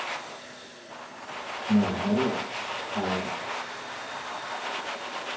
もうやめろよああいうの。